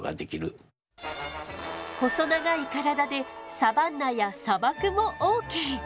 細長い体でサバンナや砂漠もオーケー。